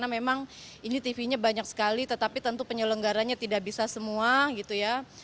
memang ini tv nya banyak sekali tetapi tentu penyelenggaranya tidak bisa semua gitu ya